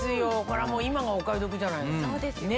これは今がお買い得じゃないですか。